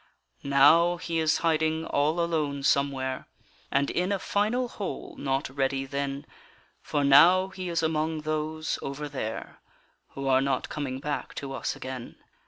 Now he is hiding all alone somewhere, And in a final hole not ready then; For now he is among those over there Who are not coming back to us again.